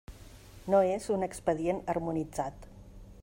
No és un expedient harmonitzat.